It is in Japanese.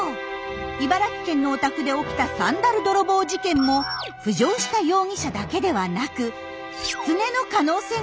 茨城県のお宅で起きたサンダル泥棒事件も浮上した容疑者だけではなくキツネの可能性がありますね。